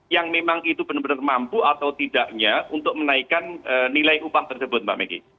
yang memang itu benar benar mampu atau tidaknya untuk menaikkan nilai upah tersebut mbak megi